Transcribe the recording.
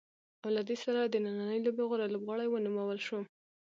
او له دې سره د نننۍ لوبې غوره لوبغاړی ونومول شو.